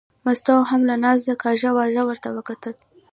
مستو هم له نازه کاږه واږه ور وکتل.